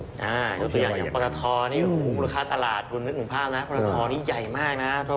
อย่างตัวตัวอย่างอย่างปราทรมูลค้าตลาดทุนลึกหุ้นภาพนะครับ